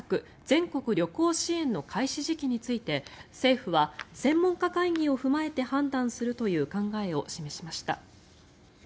全国旅行支援の開始時期について政府は、専門家会議を踏まえて判断するという考えを示しました。